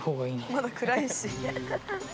まだ暗いし。